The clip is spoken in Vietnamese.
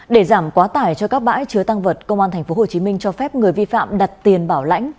để giảm quá tải cho các bãi chứa tăng vật công an tp hcm cho phép người vi phạm đặt tiền bảo lãnh